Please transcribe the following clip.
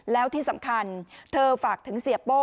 แล้วที่สำคัญเธอฝากถึงเสียโป้